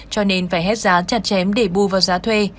cho nên phải hết giá chặt chém để bù vào giá thuê